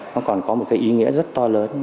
nó còn có một ý nghĩa rất to lớn